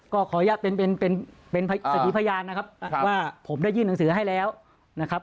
ก็ขออนุญาตเป็นสถีพยานนะครับว่าผมได้ยื่นหนังสือให้แล้วนะครับ